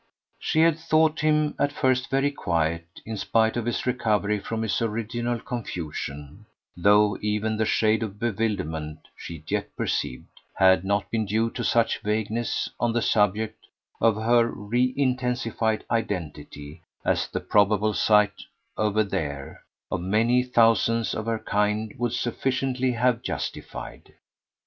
She had thought him at first very quiet, in spite of his recovery from his original confusion; though even the shade of bewilderment, she yet perceived, had not been due to such vagueness on the subject of her reintensified identity as the probable sight, over there, of many thousands of her kind would sufficiently have justified.